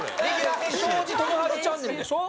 「庄司智春チャンネル」でしょ？